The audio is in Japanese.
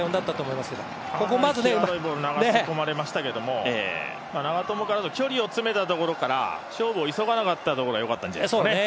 きわどいボールを流し込まれましたけど、距離を詰めたところから勝負を急がなかったところがよかったですね。